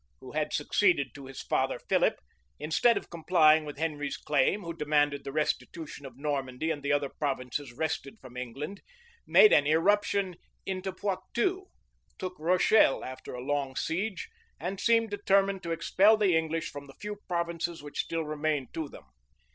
who had succeeded to his father Philip, instead of complying with Henry's claim, who demanded the restitution of Normandy and the other provinces wrested from England, made an irruption into Poictou, took Rochelle[*] after a long siege, and seemed determined to expel the English from the few provinces which still remained to them.